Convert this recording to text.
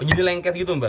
oh jadi lengket gitu mbah